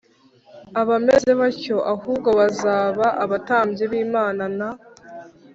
abameze batyo, ahubwo bazaba abatambyi b'imana na